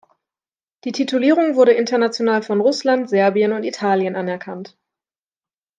Die Titulierung wurde international von Russland, Serbien und Italien anerkannt.